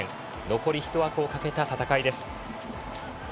残り１枠をかけた戦いです。